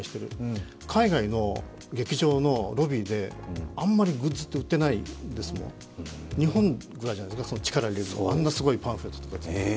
海外の劇場のロビーであんまりグッズって、売っていないですもん、日本ぐらいじゃないですか、あんなすごいパンフレットとか。